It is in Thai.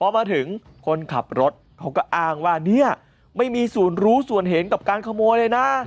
มาถึงคนขับรถเขาก็อ้างว่าเนี่ยไม่มีส่วนรู้ส่วนเห็นกับการขโมยเลยนะ